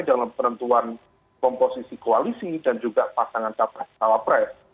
dalam penentuan komposisi koalisi dan juga pasangan cawapres